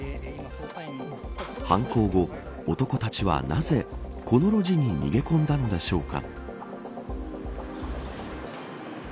犯行後、男たちはなぜこの路地に逃げ込んだのでしょうか。